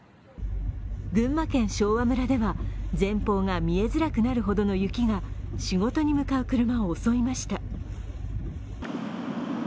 群馬県昭和村では、前方が見えづらくなるほどの雪が仕事に向かう車を襲いました。